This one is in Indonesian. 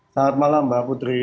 selamat malam mbak putri